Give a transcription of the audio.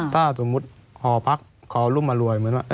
ถ้าสมมุติหอพักคอรุ่มอรวยเหมือนว่า